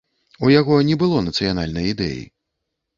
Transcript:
У яго не было нацыянальнай ідэі.